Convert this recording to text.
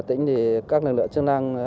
thì các lực lượng chức năng